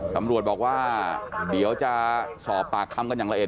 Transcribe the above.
ตำรวจบอกว่าเดี๋ยวจะสอบปากคำกันอย่างละเอ็